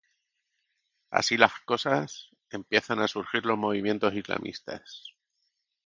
Así las cosas, empiezan a surgir los movimientos islamistas.